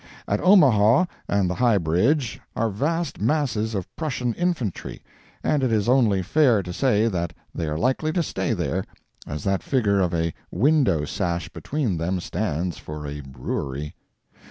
At Omaha and the High Bridge are vast masses of Prussian infantry, and it is only fair to say that they are likely to stay there, as that figure of a window sash between them stands for a brewery.